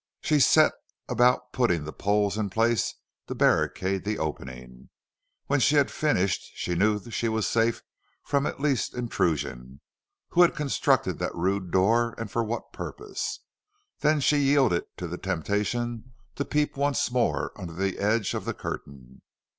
She set about putting the poles in place to barricade the opening. When she had finished she knew she was safe at least from intrusion. Who had constructed that rude door and for what purpose? Then she yielded to the temptation to peep once more under the edge of the curtain.